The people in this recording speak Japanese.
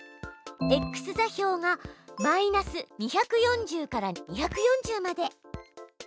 ｘ座標が−２４０から２４０まで。